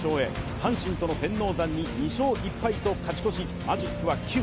阪神との天王山に２勝１敗と勝ち越し、マジックは９。